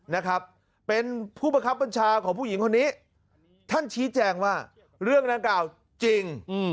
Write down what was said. นะครับเป็นผู้บังคับบัญชาของผู้หญิงคนนี้ท่านชี้แจงว่าเรื่องดังกล่าวจริง